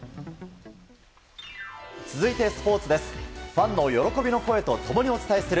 続いて、スポーツです。